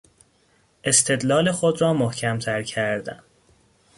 استدلال خود را محکمتر کردن